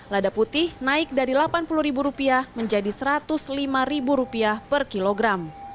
lada putih naik dari delapan puluh ribu rupiah menjadi satu ratus lima ribu rupiah per kilogram